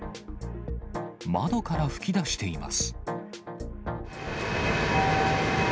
窓から噴き出しています。